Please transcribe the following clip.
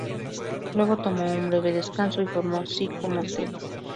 Luego tomó un breve descanso y formó Psycho Motel.